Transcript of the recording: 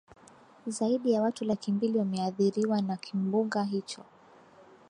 zaidi ya watu laki mbili wameadhiriwa na kimbunga hicho